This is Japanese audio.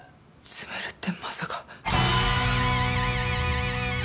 詰めるってまさか。